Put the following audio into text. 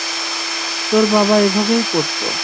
তোর বাবা এভাবেই করতো।